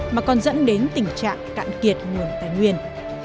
mà còn dẫn đến tình trạng cạn kiệt nguồn tài nguyên